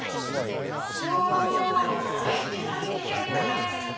さあでておいで。